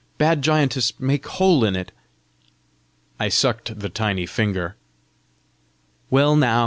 Bad giantess make hole in it!" I sucked the tiny finger. "Well now!"